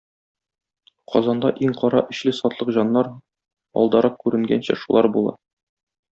Казанда иң кара эчле сатлык җаннар, алдарак күренгәнчә, шулар була.